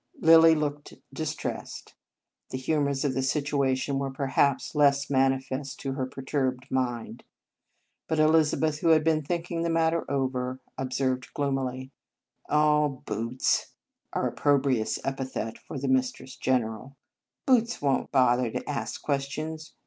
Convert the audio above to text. Lilly looked distressed. The hu mours of the situation were, perhaps, less manifest to her perturbed mind. But Elizabeth, who had been thinking the matter over, observed gloomily: "Oh, Boots " (our opprobrious epithet for the Mistress General) "won t bother to ask questions.